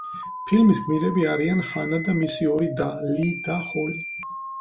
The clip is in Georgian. ფილმის გმირები არიან ჰანა და მისი ორი და, ლი და ჰოლი.